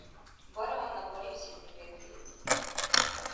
Бара гьанна барибси винегрет леб.